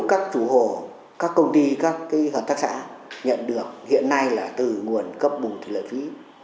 các chủ hồ các công ty các hợp tác xã nhận được hiện nay là từ nguồn cấp bù thủy lợi phí